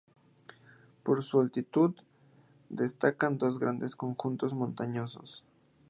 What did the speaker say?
Por su altitud, destacan dos grandes conjuntos montañosos.